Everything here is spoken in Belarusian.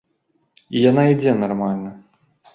І яна ідзе нармальна.